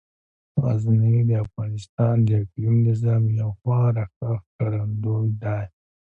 غزني د افغانستان د اقلیمي نظام یو خورا ښه ښکارندوی دی.